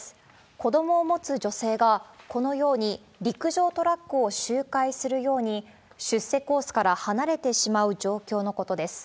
子どもを持つ女性が、このように、陸上トラックを周回するように、出世コースから離れてしまう状況のことです。